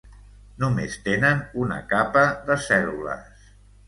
Només tenen una capa de cèl·lules.